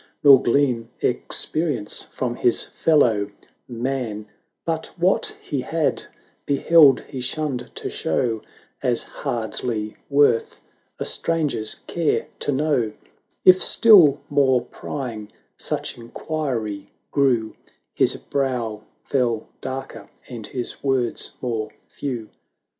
Nor glean experience from his fellow man ; 90 But what he had beheld he shunned to show, As hardly worth a stranger's care to know ; If still more prying such inquiry grew, His brow fell darker, and his words more few.